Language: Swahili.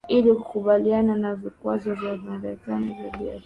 ili kukabiliana na vikwazo vya Marekani vya biashara